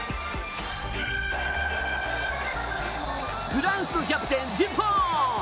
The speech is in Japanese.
フランスのキャプテン、デュポン。